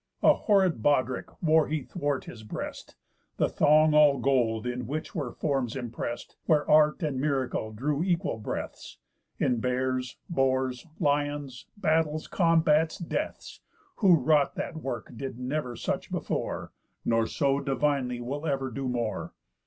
A horrid bawdrick wore he thwart his breast, The thong all gold, in which were forms imprest, Where art and miracle drew equal breaths, In bears, boars, lions, battles, combats, deaths, Who wrought that work did never such before, Nor so divinely will do ever more.